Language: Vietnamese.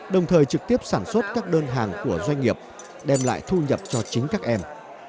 đồng thời trực tiếp sản xuất các đơn hàng của doanh nghiệp đem lại thu nhập cho chính các em